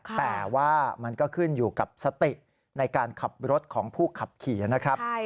แต่ว่ามันก็ขึ้นอยู่กับสติในการขับรถของผู้ขับขี่นะครับ